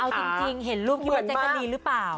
เอาจริงเห็นรูปอยู่บนแจ๊กรีหรือเปล่า